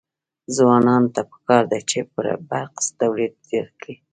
ځوانانو ته پکار ده چې، برق تولید زیات کړي.